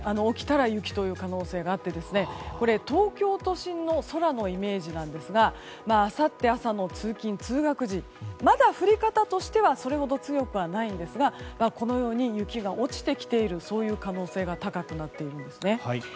起きたら雪という可能性がありまして東京都心の空のイメージなんですがあさって朝の通勤・通学時まだ降り方としてはそれほど強くはないんですがこのように雪が落ちてきている可能性が高くなっているんです。